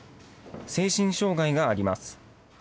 精神障害があります。